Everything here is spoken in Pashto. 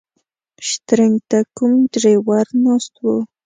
شټرنګ ته کوم ډریور ناست و.